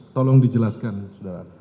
tolong dijelaskan sudara